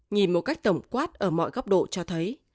nhìn một cách tổng quát ở mọi góc độ cho thấy